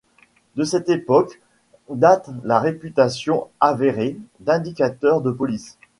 De cette époque date sa réputation, avérée, d'indicateur de police.